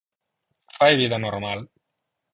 Fai vida normal.